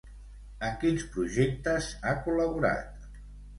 En quins projectes ha col·laborat?